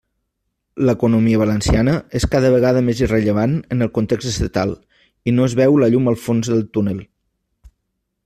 L'economia valenciana és cada vegada més irrellevant en el context estatal, i no es veu la llum al fons del túnel.